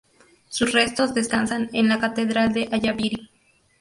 Sus restos descansan en la Catedral de Ayaviri.